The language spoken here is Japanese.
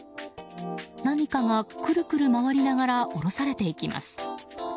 何かがくるくる回りながら下ろされていきます。